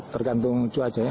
tergantung cuaca ya